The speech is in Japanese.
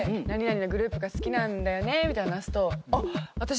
何々のグループが好きなんだよねって話すと。